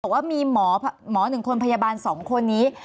ว่ามีหมอหนึ่งคนพยาบาลสองคนนี้